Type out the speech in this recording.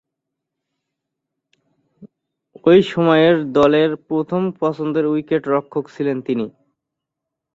ঐ সময়ে দলের প্রথম পছন্দের উইকেট-রক্ষক ছিলেন তিনি।